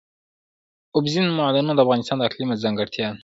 اوبزین معدنونه د افغانستان د اقلیم ځانګړتیا ده.